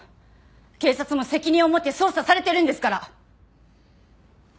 警察も責任を持って捜査されてるんですから！